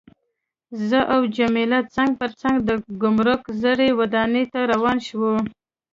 زه او جميله څنګ پر څنګ د ګمرک زړې ودانۍ ته روان شوو.